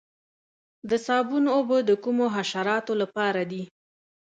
د صابون اوبه د کومو حشراتو لپاره دي؟